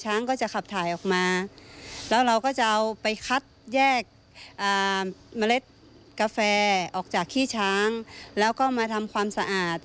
ก็จะขับถ่ายออกมาแล้วเราก็จะเอาไปคัดแยกเมล็ดกาแฟออกจากขี้ช้างแล้วก็มาทำความสะอาด